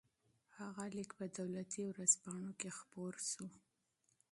هغه لیک په دولتي ورځپاڼو کې خپور شو.